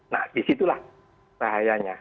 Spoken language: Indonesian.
nah disitulah bahayanya